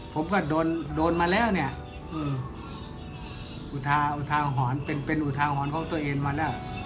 ผมก็โดนโดนมาแล้วเนี่ยอืมอุทาอุทาหอนเป็นเป็นอุทาหอนของตัวเองมาแล้ว